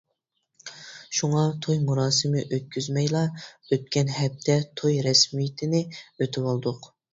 شۇڭا توي مۇراسىمى ئۆتكۈزمەيلا، ئۆتكەن ھەپتە توي رەسمىيىتىنى ئۆتىۋالدۇق.